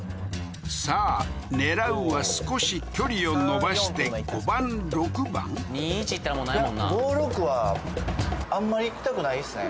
さあ狙うは少し距離を伸ばして５番６番？ははっなあ「行きたくないっすね」